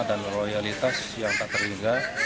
dan royalitas yang tak terhingga